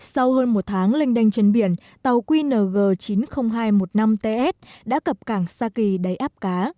sau hơn một tháng linh đanh trên biển tàu qng chín mươi nghìn hai trăm một mươi năm ts đã cập cảng xa kỳ đáy áp cá